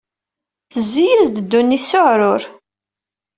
Tezzi-yas-d ddunit s uɛrur.